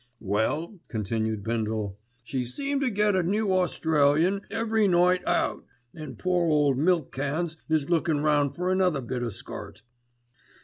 "Well," continued Bindle, "she seemed to get a new Australian every night out, an' poor ole Milkcans is lookin' round for another bit o' skirt."